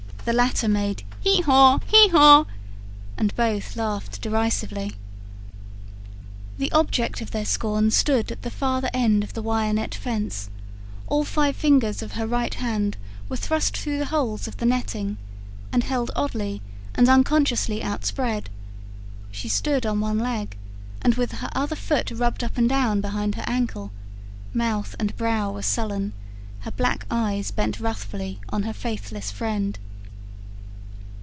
The latter made "Hee haw, hee haw!" and both laughed derisively. The object of their scorn stood at the farther end of the wire net fence: all five fingers of her right hand were thrust through the holes of the netting, and held oddly and unconsciously outspread; she stood on one leg, and with her other foot rubbed up and down behind her ankle; mouth and brow were sullen, her black eyes bent wrathfully on her faithless friend.